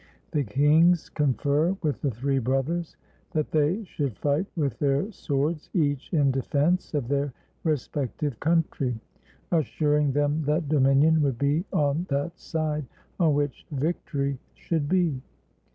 The kings confer with the three brothers, that they should fight with their swords, each in defense of their respective country; assuring them that dominion would be on that side on which 261 ROME victory should be.